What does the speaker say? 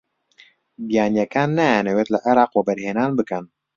بیانییەکان نایانەوێت لە عێراق وەبەرهێنان بکەن.